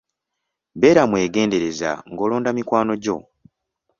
Beera mwegendereza ng'olonda mikwano gyo.